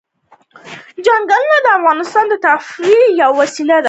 چنګلونه د افغانانو د تفریح یوه وسیله ده.